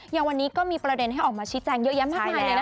อย่างวันนี้ก็มีประเด็นให้ออกมาชี้แจงเยอะแยะมากมายเลยนะ